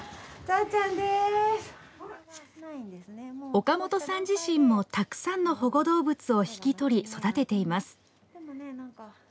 岡本さん自身もたくさんの保護動物を引き取り育てています。